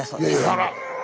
あら！